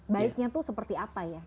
baiknya itu seperti apa ya